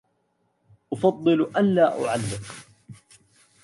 أفضل أن لا أعلّق.